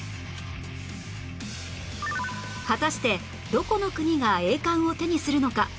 果たしてどこの国が栄冠を手にするのか？